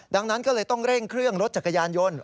ดังนั้นก็เลยต้องเร่งเครื่องรถจักรยานยนต์